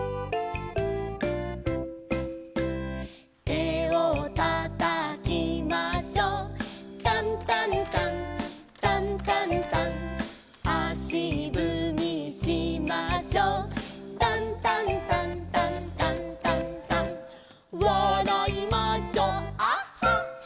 「手を叩きましょう」「タンタンタンタンタンタン」「足ぶみしましょう」「タンタンタンタンタンタンタン」「わらいましょうアッハッハ」